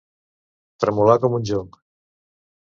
Tremolar com un jonc.